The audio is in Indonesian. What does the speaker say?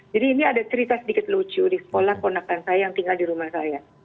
ini ada cerita sedikit lucu di sekolah ponakan saya yang tinggal di rumah saya